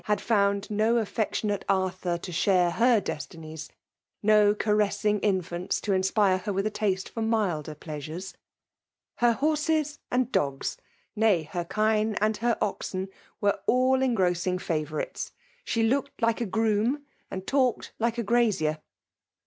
Di laid feniid no afiectioiiaie Artfaur to aluDPe her desttnies ; no caressing infiuits to inspire her vdih a taste for milder pleasures : Iieor horses and dogs — nay, her kine and her men, were all engrossing favonrites ; she hx>ked like a groom, and talked like a graxier.